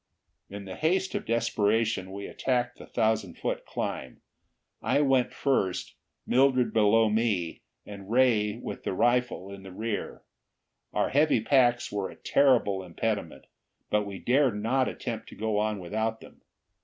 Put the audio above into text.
In the haste of desperation, we attacked the thousand foot climb. I went first, Mildred below me, and Ray, with the rifle, in the rear. Our heavy packs were a terrible impediment, but we dared not attempt to go on without them.